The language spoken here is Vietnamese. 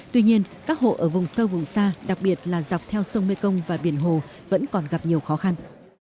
tuy nhiên các hộ ở vùng sâu vùng xa đặc biệt là dọc theo sông mekong và biển hồ vẫn còn gặp nhiều khó khăn